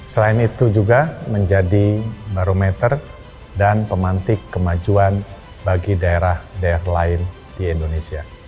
selain itu juga menjadi barometer dan pemantik kemajuan bagi daerah daerah lain di indonesia